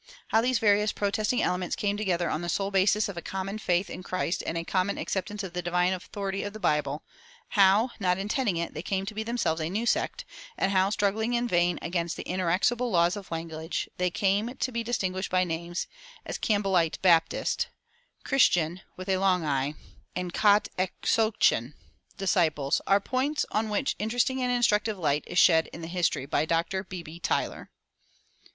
How these various protesting elements came together on the sole basis of a common faith in Christ and a common acceptance of the divine authority of the Bible; how, not intending it, they came to be themselves a new sect; and how, struggling in vain against the inexorable laws of language, they came to be distinguished by names, as Campbellite Baptist, Christ ian (with a long i), and (+kat' exochên+) Disciples, are points on which interesting and instructive light is shed in the history by Dr. B. B. Tyler.